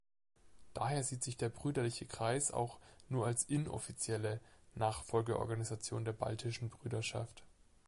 Daher sieht sich der Brüderliche Kreis auch nur als „inoffizielle“ Nachfolgeorganisation der Baltischen Brüderschaft.